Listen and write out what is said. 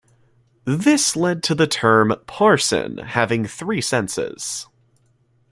This led to the term "parson" having three senses.